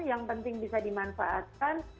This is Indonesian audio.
yang penting bisa dimanfaatkan